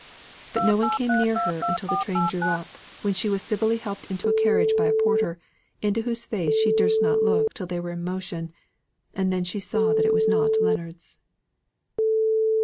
But no one came near her until the train drew up; when she was civilly helped into a carriage by a porter, into whose face she durst not look till they were in motion, and then she saw that it was not Leonards'.